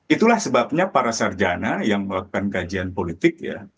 itulah sebabnya para sarjana yang melakukan kajian politik ya